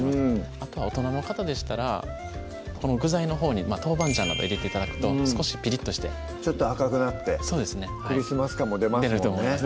あとは大人の方でしたらこの具材のほうにトウバンジャンなど入れて頂くと少しピリッとしてちょっと赤くなってクリスマス感も出ますもんね出ると思います